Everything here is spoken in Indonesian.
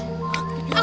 aku juga mau